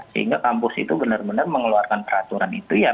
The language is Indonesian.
sehingga kampus itu benar benar mengeluarkan peraturan itu ya